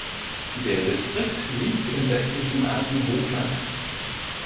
Der Distrikt liegt im westlichen Andenhochland.